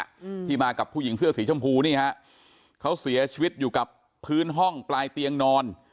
อืมที่มากับผู้หญิงเสื้อสีชมพูนี่ฮะเขาเสียชีวิตอยู่กับพื้นห้องปลายเตียงนอน